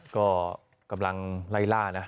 ก็กำลังไล่ล่านะ